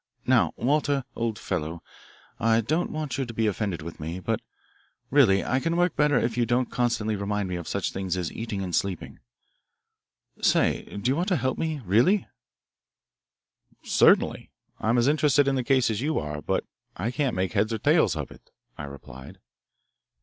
"Now, Walter, old fellow, I don't want you to be offended with me, but really I can work better if you don't constantly remind me of such things as eating and sleeping. Say, do you want to help me really?" "Certainly. I am as interested in the case as you are, but I can't make heads or tails of it," I replied.